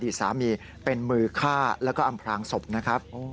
อดีตสามีเป็นมือฆ่าและอำพรางศพนะครับ